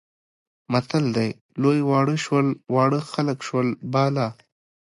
متل دی لوی واړه شول، واړه خلک شول بالا.